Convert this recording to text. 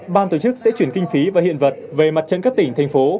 ban tổ chức sẽ chuyển kinh phí và hiện vật về mặt trận các tỉnh thành phố